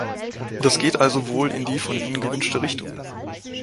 Das geht also wohl in die von Ihnen gewünschte Richtung.